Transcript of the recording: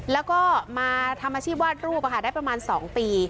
แล้วก็มาทำอาชีพวาดรูปได้ประมาณ๒ปี